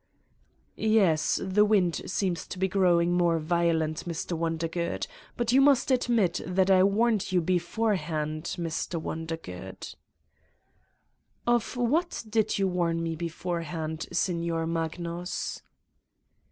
"Yes, the wind seems to be growing more violent, Mr. Wondergood. But you must admit that I warned you beforehand, Mr. Wondergood. '' 1 ' Of what did you warn me beforehand, Signor Magnus?"